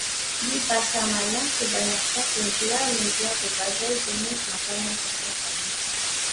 Di pasar malam kebanyakan penjual menjual pelbagai jenis makanan tempatan.